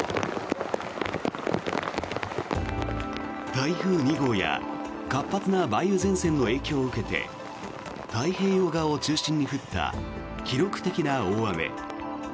台風２号や活発な梅雨前線の影響を受けて太平洋側を中心に降った記録的な大雨。